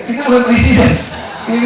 ini bukan presiden